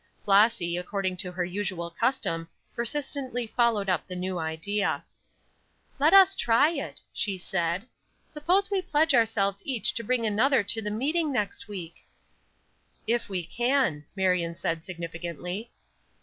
Flossy, according to her usual custom, persistently followed up the new idea. "Let us try it," she said. "Suppose we pledge ourselves each to bring another to the meeting next week." "If we can," Marion said, significantly.